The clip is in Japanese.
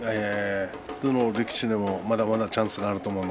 どの力士にもまだまだチャンスがあると思います。